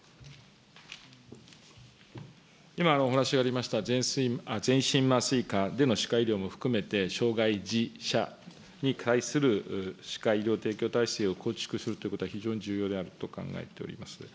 今、お話がありました全身麻酔下での歯科医療も含めて、障害児者に対する歯科医療体制を構築するということは、非常に重要であると考えております。